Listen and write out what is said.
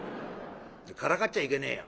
「からかっちゃいけねえよ」。